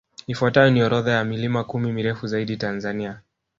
Ifuatayo ni orodha ya milima kumi mirefu zaidi Tanzania